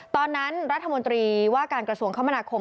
ตอนนั้นรัฐมนตรีว่าการกระทรวงคมนาคม